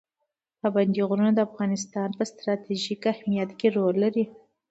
پابندی غرونه د افغانستان په ستراتیژیک اهمیت کې رول لري.